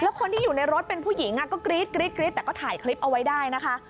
แล้วคนที่อยู่ในรถเป็นผู้หญิงก็กรี๊ดแต่ก็ถ่ายคลิปเอาไว้ได้นะคะ